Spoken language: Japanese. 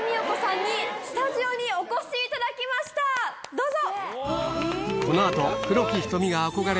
どうぞ。